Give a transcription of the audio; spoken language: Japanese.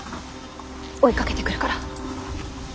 追いかけてくるから。